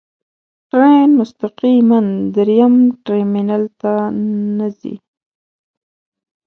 ټرین مستقیماً درېیم ټرمینل ته نه ځي.